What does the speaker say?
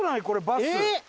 これバス。